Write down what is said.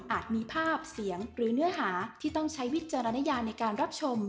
มีภาพเสียงหรือเนื้อหาที่ต้องใช้วิจารณญาในการรับชม